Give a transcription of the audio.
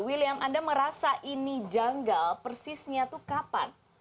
william anda merasa ini janggal persisnya itu kapan